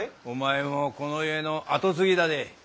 お前もこの家の跡継ぎだで。